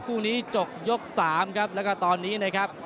คู่นี้จบยกสามครับแล้วก็ตอนนี้นะครับ